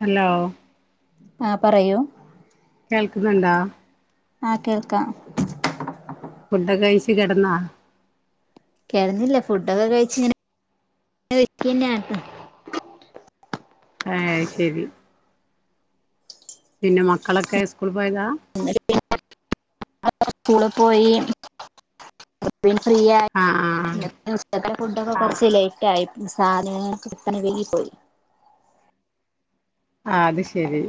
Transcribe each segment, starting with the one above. Hello ആ പറയൂ കേൾക്ക്ന്നുണ്ടോ? ആ കേൾക്കാ ഫുഡൊക്കെ കഴിച്ച് കെടന്നാ? കെടന്നില്ല ഫുഡൊക്കെ കഴിച്ച ഇങ്ങനെ ഇരിക്കന്നെയാണ് ഏ ശരി പിന്നെ മക്കളൊക്കെ സ്കൂൾ പോയതാ? [unintelligible] സ്കൂളിൽ പോയി. [unintelligible] ഫ്രീയാ ആഹ് ആഹ് [unintelligible] ഫുഡൊക്കെ കൊറച്ച് ലേറ്റായി സാധനങ്ങൾക്ക്‌ [unintelligible] വെളിപോയി ആ അത് ശരി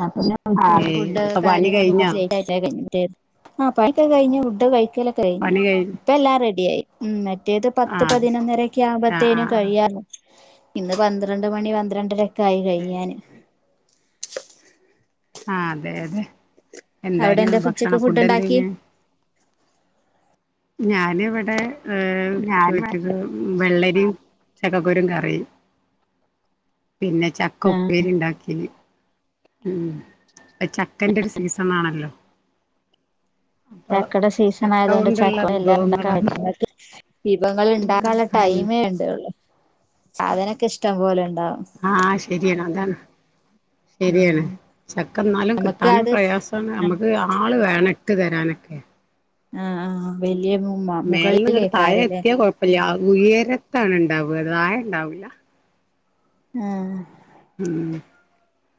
അ അപ്പൊ പിന്നെ ആഹ് ശരി ഏയ് ഫുഡ് ഇപ്പൊ പണി കാര്യങ്ങളൊക്കെ കഴിഞ്ഞോ കൊറച്ച് ലേറ്റായിട്ട കഴിഞ്ഞത്. [unintelligible] ആഹ് പണിക്കൊ കഴിഞ്ഞു ഫുഡ്‌ കഴി ക്കല കഴിഞ്ഞ് ഇപ്പ എല്ലാം റെഡിയായി ഉം നെ മറ്റേത് പത്ത് ആഹ് അത് ശരി പതിനൊന്നരയൊക്കെ ആഹ് ആവുമ്പത്തേനും ആഹ് കഴിയാറാ ഇന്ന് പന്ത്രണ്ട് മണി പന്ത്രണ്ടര കൈ ആഹ് കഴിയാന് ആഹ് അതെ അതെ അവിടെ എന്തായന് എന്താ ഉച്ചക്ക് ഭക്ഷണം ഫുഡ് ഉണ്ടാക്കി എന്തായന് ഞാനിവിടെ ആഹ് ചോറ്റുന്ന വെള്ള [unintelligible] ചക്കക്കുരും കറിയും പിന്നെ ചക്ക ആ ഉപ്പേരി ഉണ്ടാക്കി ഉം അ ചക്കന്റെ ഒരു സീസൺ ആണല്ലോ ചക്കട സീസൺ ആയത് കൊണ്ട് ചക്ക എല്ലാം വിഭവങ്ങളാണ് [unintelligible] വിഭവങ്ങള് ഇണ്ടാക്കാൻള്ള ടൈമേ വേണ്ടിയൊള്ളു സാധനം ക്കെ ഇഷ്ടം പോലെ ഉണ്ടാവും ആ ശരിയാണ് അതാണ് ശരിയാണ് ഉം ചക്ക ന്നാലും നമുക്ക് കിട്ടാനും അത് പ്രയാസാണ് നമ്മക്ക് ആള് വേണം ഇട്ടു തരാനൊക്കെ ആ ആ ഉം വലിയ മേലെന്നിങ്ങട് താഴെ മുകളിലേക്കാരല്ലേ എത്തിയാ കൊഴപ്പല്ല ഉയരെ ഉണ്ടാവേല നായ ഉണ്ടാവൂല്ല ആഹ് ഉം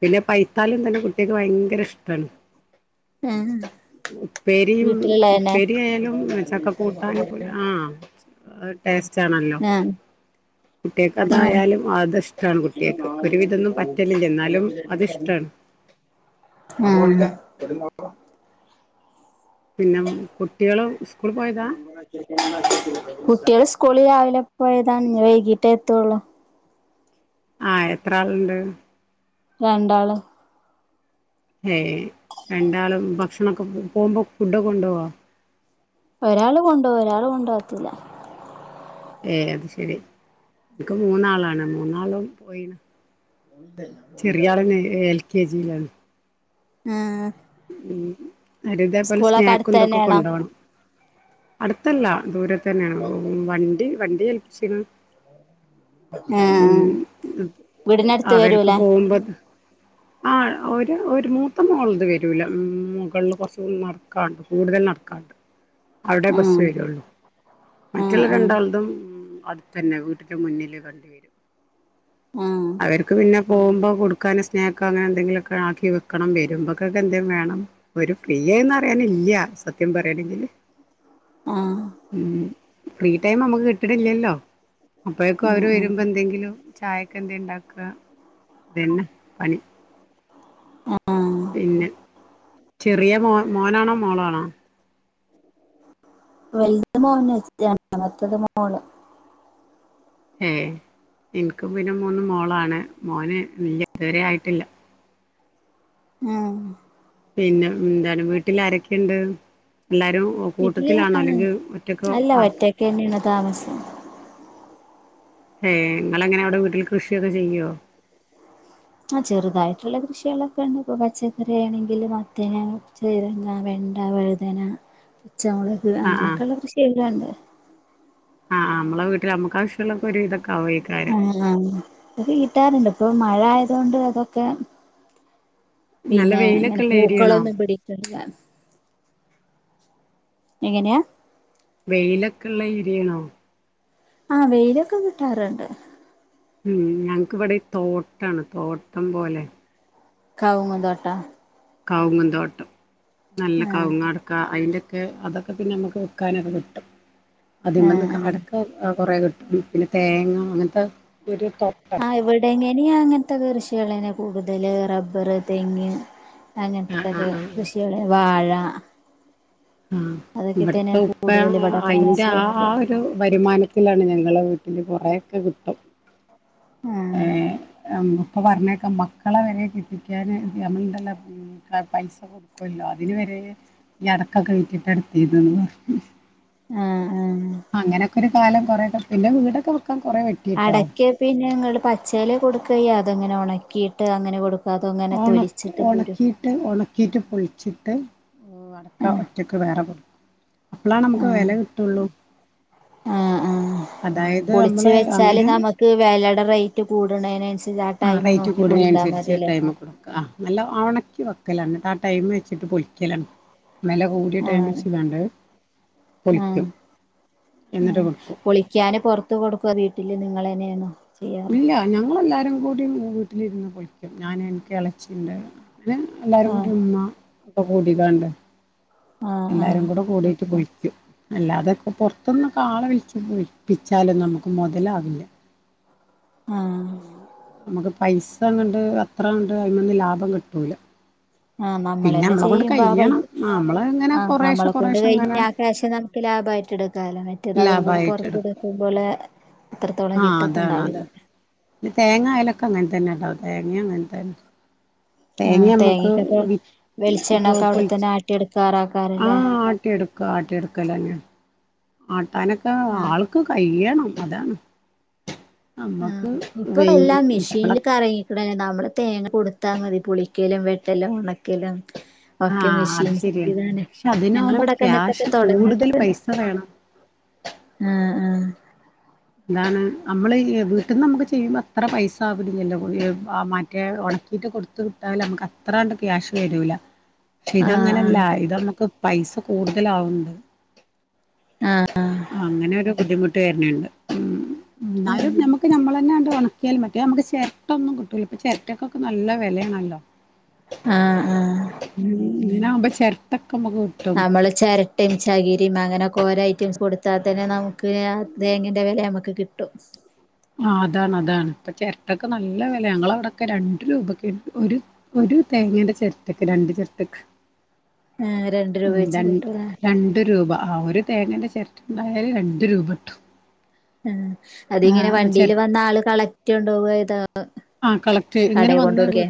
പിന്നെ പൈത്താലും തന്നെ കുട്ടിയക്ക് ഭയങ്കര ഇഷ്ടാണ് ആ ഉപ്പേരിയും വീട്ടിലുള്ളതന്നെ ഉപ്പേരി ആയാലും ചക്ക കൂട്ടാന പോലെ ആഹ് ആഹ് ടെസ് ച്ചാണല്ലോ ആ കുട്ടിയക്ക് ആ അതായാലും അത് ബെസ്റ്റാണ് കുട്ടിയക്ക് ഇഷ്ടാണ് ആ. [unintelligible] പിന്നെ കുട്ടികള് സ്കൂള് പോയതാ കുട്ടികള് സ് സ്ക്കൂളി രാവില്ലെ പോയതാണ് ഇനി വൈകിട്ടേ എത്തുള്ളൂ. ആ എത്ര ആളുണ്ട്? രണ്ടാള്. ഏയ് രണ്ടാളും ഭക്ഷണൊക്കെ പോകുമ്പോ ഫുഡ് കൊണ്ട് പോവോ ഒരാള് കൊണ്ട് പോവും ഒരാള് കൊണ്ട് പോവത്തില്ല ഏ അത് ശരി എനിക്ക് മൂന്നാളാണ് മൂന്നാളും പോയിണ് ചെറിയ ആളന്നെ എൽ കെ ജിയിലാണ്. ഏ. ഉം അത് ഇതേപോലെ സ്നാക്കും അടുത്ത് ഇന്തൊക്കെ തന്നെയാണോ കൊണ്ടോണം. അടുത്തല്ല ദൂരെ. തന്നെയാണ് ഉം വണ്ടി വണ്ടി ഏൽപ്പിച്ച്ണ് ആ ഉം വീടിനടുത്ത് അവരുക്ക് വരൂലേ പോകുമ്പോ ആ ഒരു ഒരു മൂത്ത മോളത് വരു രൂല ഉം മുകളില് കൊറച്ച് നടക്കാണ്ട് കൂടുതൽ നടക്കാണ്ട് അവിടെ ബസ്സ് ആഹ് വരുള്ളു മറ്റുള്ള ആഹ് രണ്ടാളതും അടുത്തന്നെ വീട്ടന്റെ മുന്നില് കണ്ട വരും ആഹ് അവർക്ക് പിന്നെ പോകുമ്പോ കൊടുക്കാന് സ്നാക്ക് അങ്ങനെന്തെങ്കിലൊക്കെ ആക്കി വെക്കണം വരും ക്കൊക്കെ എന്തേ വേണം ഒരു ഫ്രീയേന്ന് അറിയാനില്ല സത്യം പറയാണെങ്കി ആഹ് ആഹ് ഉം ഫ്രീ ടൈം നമ്മുക്ക് കിട്ട്ണില്ലല്ലോ. അപ്പഴേക്കും അവര് വരുമ്പോ ആഹ് എന്തെങ്കിലും ചായക്കെ എന്തേണ്ടാക്ക ഇതന്നെ പണി ആഹ് ആഹ് പിന്നെ ചെറിയ മോൻ മോനാണോ മോളാണോ? വലുത് മോന് രണ്ടാമത്തത് മോള്. ഏ ഇൻക്കും പിന്നെ മൂന്ന് മോളാണ് മോന് ല്ല ഇതുവരെ ആയിട്ടില്ല. ആഹ് പിന്നെ ന്താണ് വീട്ടില് ആരൊക്കെണ്ട്? എല്ലാരും വീട്ടില് കൂട്ടത്തിലാണോ ആഹ് അല്ലെങ്കി ഒറ്റക്കോ അല്ല പാർത്തത് ഒറ്റക്കന്നെയാണ് താമസം. ഏഹ് ഇങ്ങളെങ്ങനെ അവിടെ വീട്ടിൽ കൃഷിയൊക്കെ ചെയ്യോ? ആ ചെറുതായിട്ടുള്ള കൃഷികളൊക്കെണ്ട് ഇപ്പൊ പച്ചക്കറി ആണെങ്കില് മത്തന്, ചെരങ്ങ, വെണ്ട, വഴുതന ച്ച മൊളക് ആ അങ്ങനെയൊക്കെള്ളത് ശെയ്യാണ്ട് ആഹ് ആഹ് അമ്മള വീട്ടില് അമ്മക്കാഷ്ട്ടള്ളക്കൊരു വിധ ആഹ് ആഹ് [unintelligible] കിട്ടാറ്ണ്ട്പ്പം മഴ ആയതൊണ്ട് ഇതൊക്കെ നല്ല പിന്നെ വെയിലൊക്കെ ഇങ്ങനെ ഉള്ള ഏരിയാണോ പൂക്കളൊന്നും [unintelligible] എങ്ങനെയാ വെയിലൊക്കെള്ള ഈര്യാണോ ആ വെയിലൊക്കെ കിട്ടാറുണ്ട് ഉം ഞങ്ങക്ക് ഇവിടെ തോട്ടാണ് തോട്ടം പോലെ കവുങ്ങ്തോട്ടാ കവുങ്ങ്ന്തോട്ടം നല്ല ആഹ് കവുങ്ങടക്ക അയിന്റെ ക്കെ അതൊക്കെ പിന്നെ നമുക്ക് വി ക്കാനൊക്കെ കിട്ടും അതിമ്ന്ന് ആഹ് ആഹ് അടക്ക കൊറെ കി പിന്നെ തേങ്ങ അങ്ങൻത്തെ ആ ഇവിടെ ങ്ങനെയാ അങ്ങൻത്തെ കൃഷികള കൂട്തല് റബ്ബറ് തെങ്ങ് ആ ആ അങ്ങൻതക്കെ ആ കൃഷികള് വാഴ, അ ആ ഇവിടുത്തെ ഉപ്പ കൂടുതൽ ഇവിടൊക്കെ അയ്ന്റെ ആ കൃഷിയായിട്ടുള്ളത് ഒരു വരുമാനത്തിലാണ് ഞാന് നിങ്ങളെ വീട്ട്ല് അതോക്കെ കിട്ടും ഏ ആഹ് അം ഇപ്പം പറഞ്ഞേക്കാം മക്കളെ വരെ കെട്ടിക്കാന് നമ്മള്ണ്ടല്ലോ പൈസ കൊടുക്കോല്ലോ അതിന് വരെ ഈ അടക്കൊക്കെ വിറ്റിട്ടാ ട്തീനെന്ന് പറ ആ കുറേക്കെ പിന്നെ വീട് ഒക്കെ വെ അടക്കേ പിന്നെ ഞങ്ങള് പച്ചല് കൊടു കൈ അതങ്ങനെ ഒണക്കിയിട്ട് അങ്ങനെ കൊടുക് ഒണ ഉണക്കിയിട്ട് ഉണക്കിയിട്ട് പൊളിച്ചി ട്ട് ഉം അടക്ക ആഹ് ഒറ്റക്ക് വേറെ കൊടുക്കും അപ്പളാണ് നമുക്ക് ആഹ് വെല കിട്ടൊള്ളൂ. ആഹ് ആഹ് അതായത് പൊളിച്ച് അമ്മള് അങ്ങനെ റ്റ് കൂടണേന ആ റേറ്റ് കൂട അനുസരിച്ച് ടൈമ കൊടുക്ക ആ നല്ല ആവണ [unintelligible] വെക്കലാണ് ആ ടൈം വെച്ചിട്ട് പൊരിക്കലാണ് വെല കൂടിയ ടൈം ആഹ് വച്ച് കാണ്ട് ആഹ് പൊളിക്കും എന്നിട്ട് കൊടുക്കും. ത്ത് കൊടുക്കൊ വീട്ടില് നിങ്ങള ന്നെ ഏണോ ഇല്ല ഞങ്ങളല്ല എല്ലാരും കൂടി വീട്ടിലിരുന്ന് പൊളിക്കും ഞാന് എനിക്ക് എളച്ചി ഇണ്ട്. [unintelligible] എല്ലാരുകൂടി [unintelligible] ഇപ്പോ കൂടിതാണ്ട് ആഹ് ആഹ് എല്ലാരും കൂടെ കൂടിട്ട് പോയി അല്ലാതൊക്കെ പുറത്തൊന്നും ആളെ വിലി വിപ്പിച്ചാലും നമുക്ക് മുതലാവില്ല ആഹ് അത്ര അങ്ങട് അത്ര അങ്ങട് അയ്മന്ന് ലാഭം കിട്ടൂല ആഹ് പിന്നെ നമ്മളന്നെ നമ്മളെ കൊണ്ട് ചെയ്യുമ്പ ആ പൈ കഴിയണം നമ്മള് ഇങ്ങനെ ആ കൊറേശെ നമ്മളെ കൊണ്ട് കൊറേശെ ഇങ്ങനെ കഴിഞ്ഞ ആ ക്യാഷ് നമുക്ക് ലാഭായിട്ട് എടു കാല മറ്റേത് അതും കൂടെ പുറ ലാഭായിട്ട് [unintelligible] എടുക്ക കൊടുക്കമ്പോലെ ആഹ് അതാണ് അതാണ് ഈ തേങ്ങായാലൊക്കെ അങ്ങനെ തന്നെ ട്ടോ തേങ്ങയാണ് തൻ തേങ്ങ ആഹ് നമ്മക്ക് തേങ്ങക്കൊക്കെ വിറ്റ് വെളിച്ചെണ്ണൊക്കെ പൊൾച്ച് അവിടെത്തന്നെ ആട്ടിയെടുക്കാറാക്കാരല്ലേ ആഹ് ആട്ടിയെടുക്ക ആട്ടിയെടുക്കല ഞാൻ ആ ട്ടാനൊക്കെ ആഹ് ആൾക്ക് കഴിയണം അതാണ് ആ നമ്മക്ക് ഇപ്പൊ വെയ് എല്ലാം ഇപ്പള മെഷീനിൽ കറങ്ങിക്ക്ട് ന്നെ ണ്ട് നമ്മള് തേങ്ങ കൊടു ത്താൽ മതി പൊളിക്കലും വെട്ടെലും ഉണക്കലും ആ അത് ശരിയാണ് പക്ഷെ അതിനാവുമ്പോ ഞങ്ങളവിടൊക്കെ അങ്ങനത്തൊക്കെ ക്യാഷ് തൊടങ്ങി കൂടുതൽ പൈസ വേണം. ആഹ് അതാണ് നമ്മള് ഈ വീട്ട്ന്ന് നമ്മുക്ക് ചെയ്യുമ്പോ അത്ര പൈസ ആവലില്ലല്ലോ ആ മറ്റേ ഉണക്കിയിട്ട് കൊടുത്തുവിട്ടാൽ നമ്മുക്ക് അത്രാണ്ട് ക്യാഷ് വരൂല. ക്ഷെ ഇതങ്ങനെല്ല ആഹ് ഇതമ്മക്ക് പൈസ കൂടുതലാവുണ്ട്. ആഹ് ആഹ് അങ്ങനെയല്ല ബുദ്ധിമു തെരണേയുണ്ട്. എന്നാലും നമുക്ക് നമ്മള്ളാന്നെണ്ട് ഉണക്കിയാൽ മറ്റെ നമുക്ക്. ചെരട്ടയെന്നും കി ഇപ്പം ചെരട്ടക്ക് ഒക്കെ നല്ല വിലയാണല്ലോ. ആഹ് ആഹ് ആഹ് ഇങ്ങനെയാക്കുമ്പോ ചെരട്ട. നമ്മള് ചെരട്ടയും ചകിരിയും അങ്ങനെ കോരോ ഐറ്റംസ് കൊടുത്താൽ തന്നെ നമുക്ക് ഏ തേങ്ങന്റെ വില നമുക്ക് കിട്ടും. ആ അതാണ് അതാണ് ഇപ്പൊ ചെരട്ടക്ക് നല്ല വെലയാ ഞങ്ങളെ അവിടൊക്കെ രണ്ടു രൂപക്ക് ഒരു ഒരു തേങ്ങേന്റെ ചിരട്ടക്ക് രണ്ട് ചിരട്ടക്ക് ഏഹ് രണ്ട് രൂപ ഉം വെച്ച് ര കിട്ടൂലേ രണ്ട് രൂപ. ആ ഒരു തേങ്ങേന്റെ ചിരട്ടണ്ടായാല് രണ്ട് രൂപ ട്ടും. ഉം അതിങ്ങനെ വണ്ടിൽ വന്ന ആള് കളക്ട് പോക ഇത ആ കടയി കൊണ്ട്ടുകേ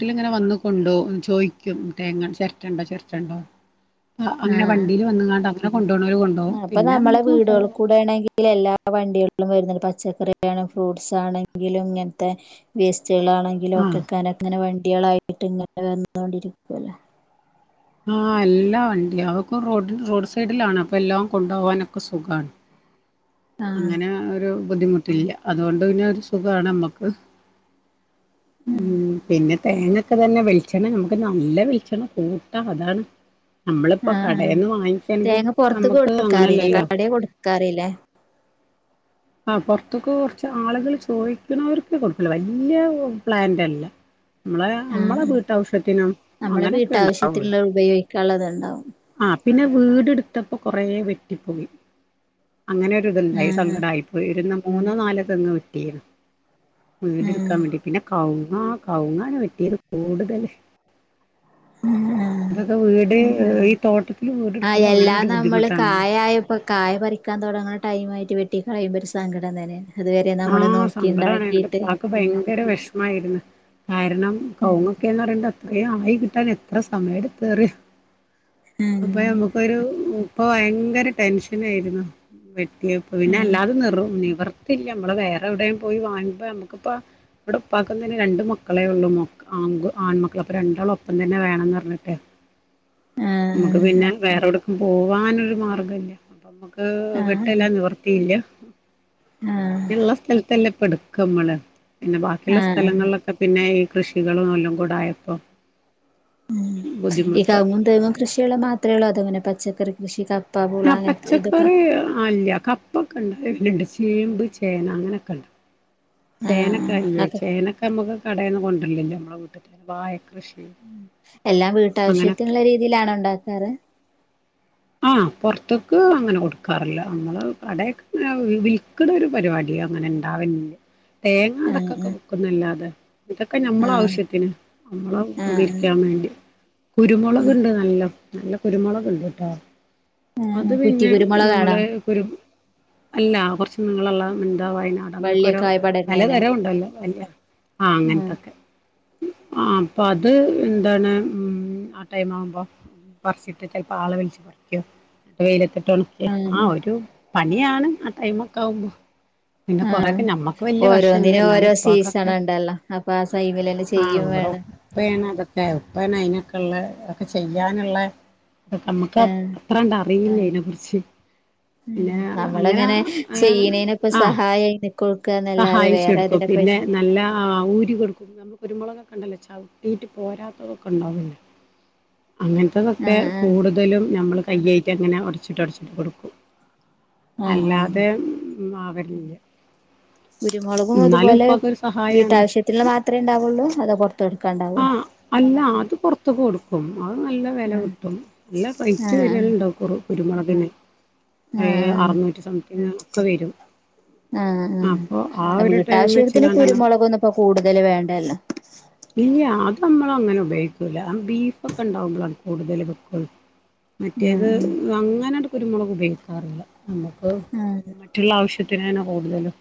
കൊണ്ടോ ചോദിക്കും തേങ്ങൻ ചിരട്ടുണ്ടോ ചിരട്ടുണ്ടോ ആ അങ്ങനെ ആഹ് വണ്ടിൽ വനാഗാണ്ട് എന്നാകൊൺ അപ്പൊ നമ്മളെ വീടുകൾ കൂടെ ആണെങ്കിൽ എല്ലാ വണ്ടിക വര പച്ചക്കറിയാണ് ഫ്രൂട്ട്സ് ആണെങ്കിലും ഇങ്ങൻത്തെ വേസ് റ്റേളാണെങ്കിലു ആ ഒക്കെ [unintelligible] വേ കുട്ടികളായിട്ട് ഇങ്ങനെ വന്നോണ്ടിരിക്കല്ലേ ആഹ് എല്ലാ വണ്ടി അവക്കും റോഡ റോഡ് സൈഡിലാണ് അപ്പൊ എല്ലാം കൊണ്ട പോകാനൊക്കെ സുഖാണ് ആഹ് അങ്ങനെ ഒരു ബുദ്ധിമുട്ടില്ല അതുകൊണ്ട് പിന്നെ ഒരു സുഖാണ് നമ്മക്ക് ആഹ് ഉം പിന്നെ തേങ്ങൊക്കെ തന്നെ വെൾച്ചെണ്ണ നമുക്ക് നല്ല വെൾച്ചെണ്ണ കൂട്ടാ അതാണ് നമ്മളിപ്പോ ആഹ് ആഹ് കടേന്ന് വാങ്ങിക്കാണെങ്കി തേങ്ങ പൊറത്ത് ക്ക് നമുക്ക് കൊടുക്കാറില്ലേ അങ്ങനെയല്ലല്ലോ കടേ കൊടുക്കാറില്ലേ? ആ പൊർത്ത്ക്ക് കുറച്ച് ആളുകൾ ചോയ്ക്ക്ണവർക്ക് കൊടുക്കുല വല്യ പ്ലാന്റല്ല. നമ്മളെ നമ്മളെ ആഹ് വീട്ടാവ്ശ്യത്തിനും അങ്ങനെയൊക്കെ ഉണ്ടാവൊള്ളൂ ക്കളതൊണ്ടാവും പിന്നെ വീടെടുത്തപ്പോ കൊറെ വെട്ടിപ്പൊയി അങ്ങെനൊരിതുണ്ടായി ആഹ് സങ്കടായിപ്പോയിരുന്നു മൂന്നോ നാലോ തെങ്ങ് വെട്ടീത് വീട് എടുക്കാ ആഹ് വേണ്ടി പിന്നെ കവു ആഹ് കവുങ്ങാന് വെട്ടിയത് കൂടുതല് ആഹ് ആഹ് അതൊക്കെ വീട് [unintelligible] തോട്ടത് ആഹ് എല്ലാം നമ്മള് കായായപ്പോ കായ പറിക്കാൻ തൊടങ്ങ ടൈമായ്ട്ട് വെട്ടി കളയുമ്പൊര് സങ്കടം തന്നേണ് ആഹ് സങ്കടാണ് എന്റെപ്പാക്ക് ഭയങ്കര വെഷ്മായ്ര്ന്ന് കാരണം ആഹ് കൗങ്ങാെക്കെന്ന് പറയ്മ്പം അത്രേ ആയി ക് ട്ടാൻ എത്ര സമയെട്ത്ത് അറ്യോ അപ്പ നമ്ക്കൊരു ഉം പ്പൊ ഭയങ്കര ടെൻഷനേയ്ര്ന്ന് വെ ട്ട്യേപ്പം പിന്നെ എല്ലാതെ നിർ നിവർത്തി മ്മള് വേറെവ്ടേം പോയി വാങ് അപ്പൊ നമ്മുക്കിപ്പ ഇവിടെ ഒപ്പാക്കുന്നതിന് രണ്ട് മക്കളേയുള്ളു ആ ആൺമക്കള് അപ്പൊ രണ്ടാളും ഒപ്പം തന്നെ വേണംന്ന് പറഞ്ഞിട്ടേ- ആഹ് ആഹ് നമുക്ക് പിന്നെ വേറൊടു- പോവാനൊരു മാർഗ്ഗംല്ല്യ അപ്പം നമുക്ക്- ആഹ് വെട്ടെല്ലാം നിവർത്തിയില്ല ആഹ് ഏതില്ല പടു [unintelligible] ക്ക നമ്മള് പിന്നെ ബാക്കിയുള്ള ആഹ് സ്ഥലങ്ങളിലൊക്കെ പിന്നെ- കൃഷികളും നെല്ലും കൂടായപ്പോ ഉം ഈ കവുങ്ങും തെങ്ങും കൃഷികളു മാത്രമേ ഉള്ളോ അതോങ്ങനെ പച്ച ക്കറി കൃഷിക്കാ- ആഹ് പച്ചക്കറി അല്ല കപ് പ്പൊക്കെ ഉണ്ട് ചേമ്പ് ചേന അങ്ങനൊക്കെണ്ട് ചേനക്ക് ആഹ് ആയില്ലേ അതൊക്കെ ചേനക്ക നമുക്ക് കടേന്ന് കൊണ്ട അല്ല നമ്മളെ വീട്ടത്തിന് വായ മ് എല്ലാം അങ്ങനെയൊക്കെ വീട്ടാവശ്യത്തിനുള്ള രീതിയിലാണ് ഉണ്ടാക്കാറ് ആഹ് പുറത്തേക്ക് അങ്ങനെ കൊടുക്കാറില്ല നമ്മള് കടേ വിൽക്കുന്ന ഒരു പരിപാടി അങ്ങനെ ഇണ്ടാവുന്നില്ല തേങ്ങ ആഹ് ഇടക്കൊക്കെ ആഹ് വിക്കുന്നല്ലാതെ ഇതൊക്കെ ഞമ്മളെ ആഹ് ആവശ്യത്തിന് നമ്മളെ ആഹ് ഉപകരിക്കാൻ വേണ്ടി കുരുമുളകിണ്ട് നല്ല നല്ല കുരുമുളകിണ്ട്ട്ടോ ആഹ് ആഹ് അത് കുറ്റി പിന്നെ കുരുമുളകാണോ? ഞമ്മളെ ഒരു അല്ല കുറച്ച് നീളള്ള [unintelligible] വയനാട് അങ്ങനെക്കോരോ വള്ളിയൊക്കെ ആയി പടരുന്നന്നെ പലതരം ഉണ്ടല്ലോ ആഹ് ഉം അങ്ങൻത്തൊക്കെ. ആഹ് അപ്പൊ അത് എന്താണ് മ് ആ ടൈം ആകുമ്പോ പറിച്ചിട്ട് ആളെ വിളിച്ച് പറ വെയിലത്ത് [unintelligible] ആഹ് ഒരു പണിയാണ്. ആ ടൈം ഒക്കെ ആകുമ്പോ ഉം ഓരോന്നിനും ഓരോ എന്നാലും സീസൺ ഉപ്പാക്കൊക്കെ ഉണ്ടല്ലോ അപ്പൊ ആ ടൈമിൽ ചെയ്യും വേണം. ചെൽപ്പ അനഅയിനൊക്കെ ഉള്ള അ ഒക്കെ ചെയ്യാനുള്ള ആഹ് [unintelligible] അറിയില്ല അയിനെ കുറിച്ച്. ഉം നമ്മളങ്ങനെ ചെയ്യണേനക്ക സഹായായി നിക്ക് സഹായിച്ചൊടുക്കും പിന്നെ നല്ല ആ ഊരികൊടുക്കും ഞമ്മളെ കുരുമുളക് കണ്ടല്ലോ ചവിട്ടിട്ട് പോരാത്തതൊക്കെ ഉണ്ടാവല്ലൊ അങ്ങനത്തതൊക്കെ ആഹ് ആഹ് കൂടുതലും ഞമ്മള് കയ്യായിട്ട് അങ്ങനെ ഉടച്ചിട്ട് ഉടച്ചിട്ട് കൊടുക്കും. ആഹ് ആഹ് അല്ലാതെ ഉം അവലില്ല കുരുമുളകും എന്നാലും അതുപോലെ ഉപ്പായ്ക്കൊരു സഹായാണ് വീട്ടാവശ്യത്തിനുള്ള മാത്രേ ഉണ്ടാവുള്ളൂ അതോ പുറത്ത് കൊടുക്കാണ്ടാവോ? ആഹ് അല്ല അത് പുറത്ത് കൊടുക്കും അത് നല്ല വില ആഹ് കിട്ടും നല്ല റേറ്റ് ആഹ് വരല്ണ്ടാവും കുരുമുളകിന് ആഹ് ഏഹ് ആഹ് അറുനൂറ്റി സംതിങ്ങ് ഒക്കെ വരും ആഹ് അപ്പൊ ആ ഒരു ടൈം വീട്ടാവശ്യത്തിന് വെച്ച്കാണ്ടാണ് കുരുമുളകൊന്നു ഇപ്പോ കൂടുതല് വേണ്ടല്ലോ നമ്മള് അങ്ങനെ ഉപയോഗിക്കൂല. ബീഫ്ഒക്കെ ഉണ്ടാവുമ്പോഴാണ് കൂടുതൽ വെക്കുന്നത്. മറ്റേത് ആഹ് അങ്ങനെ എടു കുരുമുളക് ഉപയോഗിക്കാറില്ല. നമുക്ക് ആഹ് മറ്റുള്ള ആവശ്യ ത്തിനാണ് കൂടുതലും.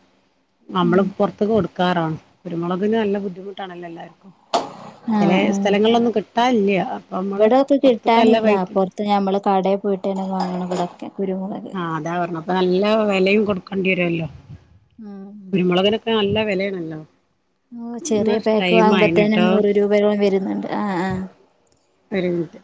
നമ്മള് ആഹ് പോറത്ത് കൊടു ക്കാറാണ് കുരുമുളകിന് നല്ല ബുദ്ധിമുട്ടാണ് എല്ലാവ ആഹ് ആഹ് കിട്ടാനില്ല അപ്പൊ നമ്മള് ഇവിടെ ഇത് പൊറത്ത്ക്ക് നല്ല കിട്ടാനില്ല റേറ്റ് പുറത്ത് ഞമ്മള് കടയിൽ പോയിട്ട് തന്നെ വാങ്ങണം ഇവിടെ. ആഹ് അതാ പറഞ്ഞേ അപ്പ നല്ല വെലയും കൊടുക്കേണ്ടി വരുമല്ലോ? ഉം. നല്ല വെലേണല്ലോ ഓ ചെറിയ പാക്ക് വാങ്ങുമ്പൊതന്നെ നൂറ് രൂപയോളം വരുന്നുണ്ട് ആ ആ ഒരുമിൻറ്റ്